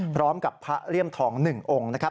พร้อมกับพระเลี่ยมทอง๑องค์นะครับ